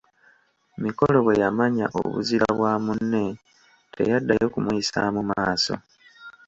Mikolo bwe yamanya obuzira bwa munne teyaddayo kumuyisaamu maaso.